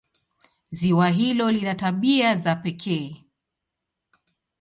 Ziwa hilo lina tabia za pekee.